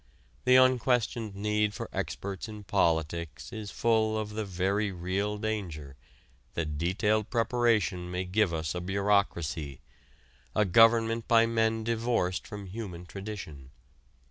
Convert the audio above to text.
The unquestioned need for experts in politics is full of the very real danger that detailed preparation may give us a bureaucracy a government by men divorced from human tradition.